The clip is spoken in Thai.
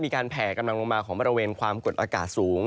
แผ่กำลังลงมาของบริเวณความกดอากาศสูง